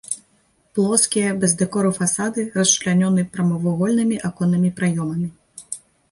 Плоскія без дэкору фасады расчлянёны прамавугольнымі аконнымі праёмамі.